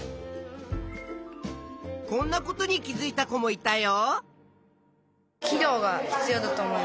こんなことに気づいた子もいたよ。